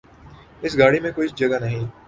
اس گاڑی میں کوئی جگہ نہیں